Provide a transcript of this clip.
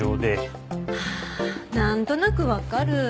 ああなんとなくわかる。